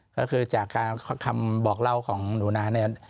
ก็คือจากคำบอกเล่าของหนูนาเนี่ย